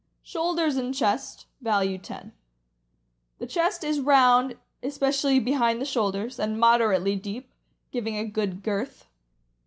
Shoulders and chest (value 10). — The chest is round, especially behind the shoulders, and moderately deep, giv ing a good girth.